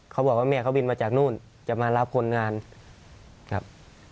เขาบอกว่าแม่เขาบินมาจากนู่นจะมารับคนงานครับ